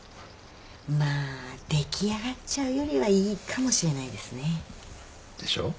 まあ出来上がっちゃうよりはいいかもしれないですね。でしょう？